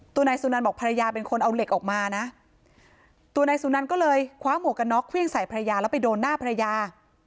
นายสุนันบอกภรรยาเป็นคนเอาเหล็กออกมานะตัวนายสุนันก็เลยคว้าหมวกกันน็อกเครื่องใส่ภรรยาแล้วไปโดนหน้าภรรยา